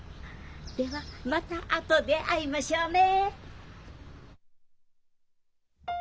ではまた後で会いましょうね。